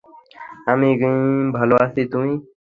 আমি ভালো আছি, তুমি?